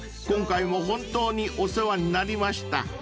今回も本当にお世話になりました］